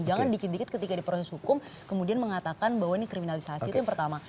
jangan dikit dikit ketika di proses hukum kemudian mengatakan bahwa ini kriminalisasi itu yang pertama